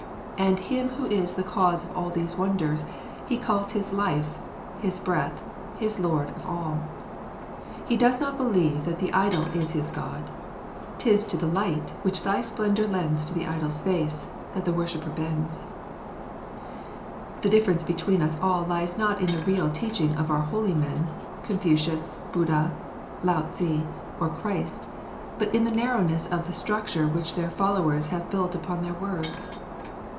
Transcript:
And Him who is the cause of all these wonders, he calls his Life, his Breath, his Lord of All. He does not believe that the idol is his God. "'Tis to the light which Thy splendour lends to the idol's face, that the worshipper bends." [Illustration: Mylady24.] The difference between us all lies not in the real teaching of our Holy Men, Confucius, Buddha, Lao Tze, or Christ, but in the narrowness of the structure which their followers have built upon their words.